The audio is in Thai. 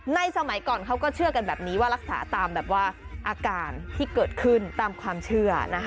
สมัยก่อนเขาก็เชื่อกันแบบนี้ว่ารักษาตามแบบว่าอาการที่เกิดขึ้นตามความเชื่อนะคะ